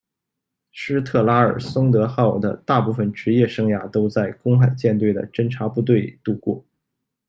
施特拉尔松德号的大部分职业生涯都在公海舰队的侦察部队度过。